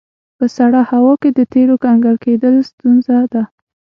په سړه هوا کې د تیلو کنګل کیدل ستونزه ده